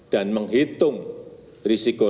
dan menghitung risiko risikonya